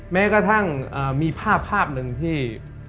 แม้กระทั่งมีภาพภาพหนึ่งที่